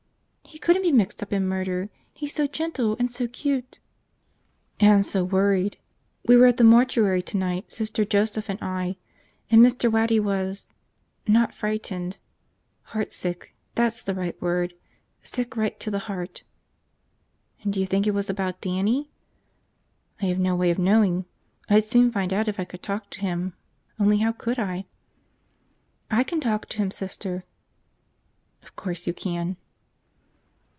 "He couldn't be mixed up in murder! He's so gentle and so cute. ..." "And so worried. We were at the mortuary tonight, Sister Joseph and I. And Mr. Waddy was ... not frightened. .... Heartsick, that's the right word. Sick right to the heart." "And you think it was about Dannie?" "I have no way of knowing. I'd soon find out if I could talk to him. Only how could I?" "I can talk to him, Sister." "Of course you can."